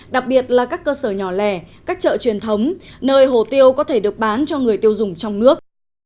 đặc biệt là các cơ sở nhỏ lẻ các chợ truyền thống nơi hồ tiêu có thể được bán cho người tiêu dùng trong nước